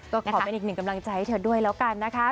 ก็ขอเป็นอีกหนึ่งกำลังใจให้เธอด้วยแล้วกันนะคะ